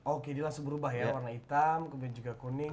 oke dia langsung berubah ya warna hitam kemudian juga kuning